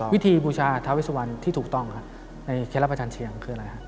วิธีบูชาทาเวสวรรค์ที่ถูกต้องในเครื่องประจันเชียงคืออะไร